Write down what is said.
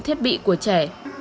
thiết bị của trẻ